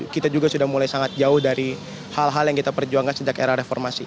kita juga sudah mulai sangat jauh dari hal hal yang kita perjuangkan sejak era reformasi